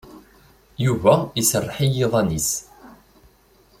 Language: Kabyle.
Yuba iserreḥ i yiḍan-ines.